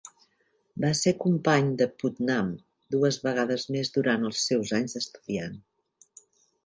Va ser company de Putnam dues vegades més durant els seus anys d'estudiant.